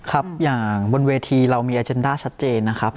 ครับอย่างบนเวทีเรามีอาเจนด้าชัดเจนนะครับ